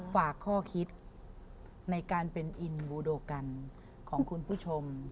ฝากข้อคิดในการเป็นอินบูโดกันของคุณผู้ชม